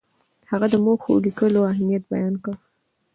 هغه د موخو لیکلو اهمیت بیان کړ.